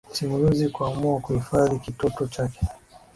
Msimulizi kuamua kuhifadhi kitoto chake